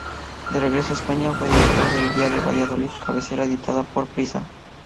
De regreso a España fue director de El Día de Valladolid, cabecera editada por Prisa.